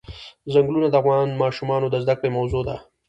ځنګلونه د افغان ماشومانو د زده کړې موضوع ده.